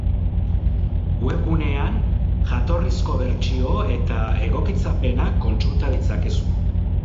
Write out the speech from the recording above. Webgunean, jatorrizko bertsio eta egokitzapena kontsulta ditzakezu.